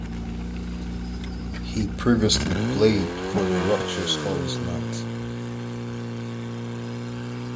He previously played for the Rutgers Scarlet Knights.